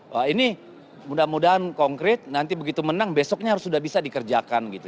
wah ini mudah mudahan konkret nanti begitu menang besoknya harus sudah bisa dikerjakan gitu